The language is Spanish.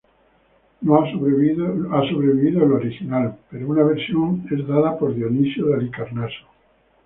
No ha sobrevivido el original, pero una versión es dada por Dionisio de Halicarnaso.